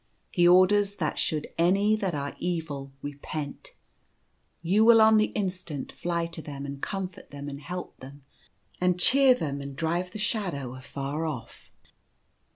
He orders that should any that are evil repent, you will on the instant fly to them, and comfort them, and help them, and cheer them, and drive the shadow afar oflF.